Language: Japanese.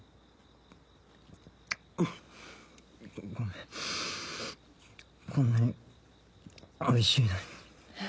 ごめんこんなにおいしいのに。